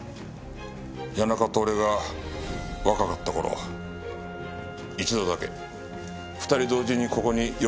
谷中と俺が若かった頃一度だけ２人同時にここに呼び出された事があった。